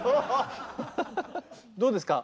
どうですか？